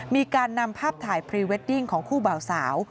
มีการนำภาพถ่ายพรีเวดดิ้งของคู่บ่าวสาว